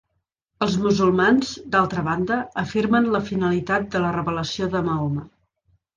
Els musulmans, d'altra banda, afirmen la finalitat de la revelació de Mahoma.